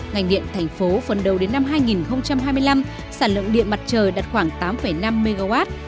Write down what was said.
ngành điện thành phố phần đầu đến năm hai nghìn hai mươi năm sản lượng điện mặt trời đạt khoảng tám năm mw